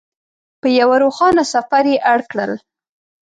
په یوه روښانه سفر یې اړ کړل.